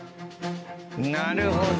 なるほど。